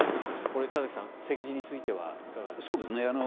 これ、田崎さん席次についてはいかがですか。